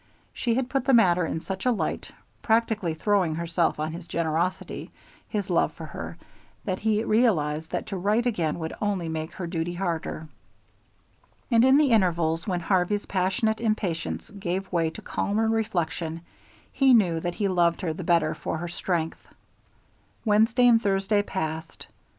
She had put the matter in such a light, practically throwing herself on his generosity, his love for her, that he realized that to write again would only make her duty harder. And in the intervals when Harvey's passionate impatience gave way to calmer reflection, he knew that he loved her the better for her strength. Wednesday and Thursday passed.